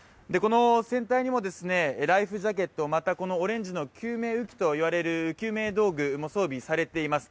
船体にもライフジャケット、またオレンジの救命浮きと言われる救命道具も装備されています。